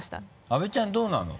阿部ちゃんどうなの？